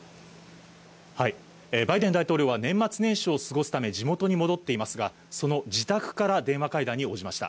バイデン大統領は年末年始を過ごすため、地元に戻っていますが、その自宅から電話会談に応じました。